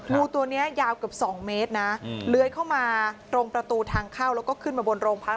งูตัวนี้ยาวเกือบ๒เมตรนะเลื้อยเข้ามาตรงประตูทางเข้าแล้วก็ขึ้นมาบนโรงพัก